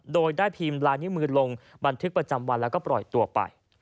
โดยได้พิมพ์ลายนิ้วมือลงบันทึกประจำวันแล้วก็ปล่อยตัวไป